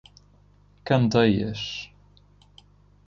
Candeias